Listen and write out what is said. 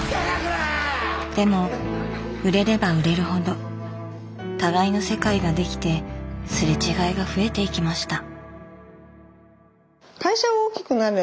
でも売れれば売れるほど互いの世界ができてすれ違いが増えていきました。